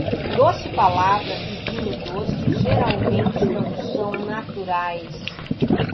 Doce palavra e vinho doce geralmente não são naturais.